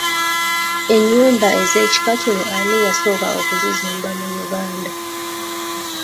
Ennyumba ez'ekika kino ani yasooka okuzizimba mu Uganda?